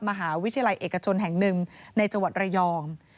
มหาวิทยาลัยเอกชนแห่งหนึ่งในจังหวัดระยอง